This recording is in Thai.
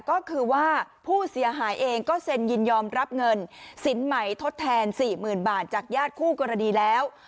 ก็คือว่าผู้เสียหายเองก็เซ็นยินยอมรับเงินสินใหม่ทดแทน๔๐๐๐บาทจากญาติคู่กรณีแล้ว